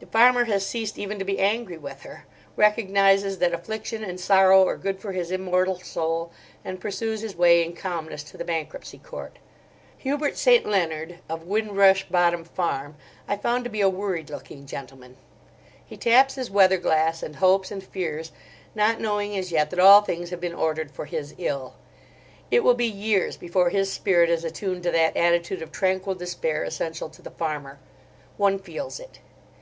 The farmer has ceased even to be angry with her—recognises that affliction and sorrow are good for his immortal soul, and pursues his way in calmness to the Bankruptcy Court. Hubert St. Leonard, of Windrush Bottom Farm, I found to be a worried looking gentleman. He taps his weather glass, and hopes and fears, not knowing as yet that all things have been ordered for his ill. It will be years before his spirit is attuned to that attitude of tranquil despair essential to the farmer: one feels it.